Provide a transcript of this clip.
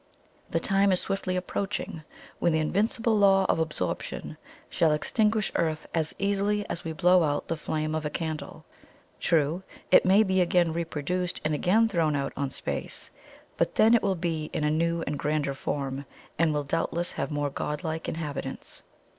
The time is swiftly approaching when the invincible Law of Absorption shall extinguish Earth as easily as we blow out the flame of a candle. True, it may be again reproduced, and again thrown out on space; but then it will be in a new and grander form, and will doubtless have more godlike inhabitants.